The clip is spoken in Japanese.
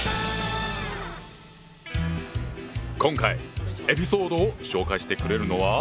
今回エピソードを紹介してくれるのは。